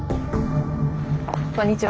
こんにちは